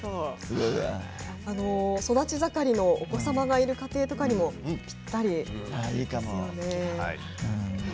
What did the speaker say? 育ち盛りのお子様がいる家庭にもぴったりですよね。